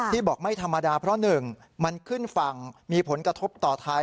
บอกไม่ธรรมดาเพราะ๑มันขึ้นฝั่งมีผลกระทบต่อไทย